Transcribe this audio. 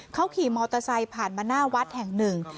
เขาขี่มอเตอร์ไซค์ผ่านมาหน้าวัดแห่งหนึ่ง